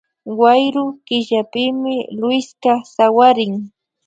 Wayru killapimi Luiska sawarin